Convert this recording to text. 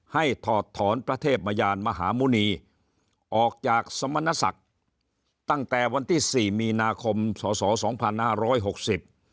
ให้ถอดถอนพระเทพยานมหาหมุนีออกจากสมณศักดิ์ตั้งแต่วันที่๔มีนาคมศ๒๕๖๐